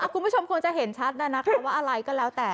คุณผู้ชมควรจะเห็นชัดนะคะว่าอะไรก็แล้วแต่